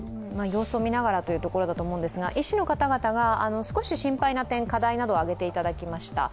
様子を見ながらというところだと思うんですが医師の方々が少し心配な点、課題などを挙げていただきました。